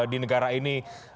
di negara ini